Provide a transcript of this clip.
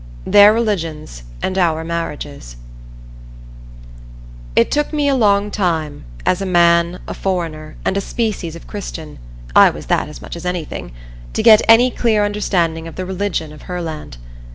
Their Religions and Our Marriages It took me a long time, as a man, a foreigner, and a species of Christian I was that as much as anything to get any clear understanding of the religion of Herland.